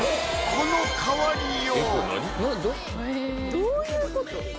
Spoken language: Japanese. どういうこと？